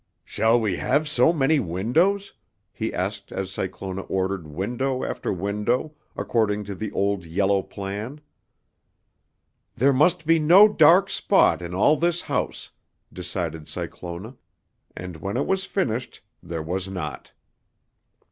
"Shall we have so many windows?" he asked as Cyclona ordered window after window, according to the old yellow plan. "There must be no dark spot in all this house," decided Cyclona, and when it was finished there was not.